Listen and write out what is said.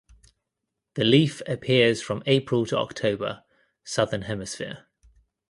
The leaf appears from April to October (southern hemisphere).